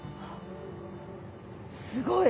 すごい。